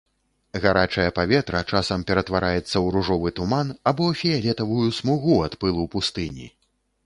Гарачае паветра часам ператвараецца ў ружовы туман або фіялетавую смугу ад пылу пустыні.